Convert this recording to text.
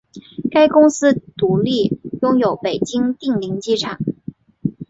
该公司独立拥有北京定陵机场。